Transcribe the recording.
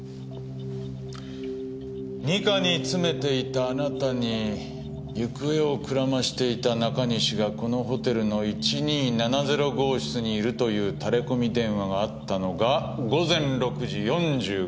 二課に詰めていたあなたに行方をくらましていた中西がこのホテルの１２７０号室にいるというタレコミ電話があったのが午前６時４５分。